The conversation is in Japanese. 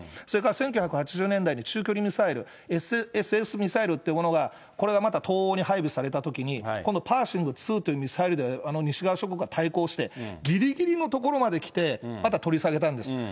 それから１９８０年代に中距離ミサイルＳＳＳミサイルっていうのがこれがまた東欧に配備されたときに、今度パーシム２というミサイルでは西側諸国では対抗して、ぎりぎりの所まで来て、また取り下げたんです。